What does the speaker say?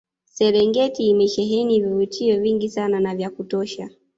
Serengeti imesheheni vivutio vingi sana na vya kutosha